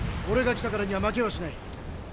俺が来たからには負けはしない。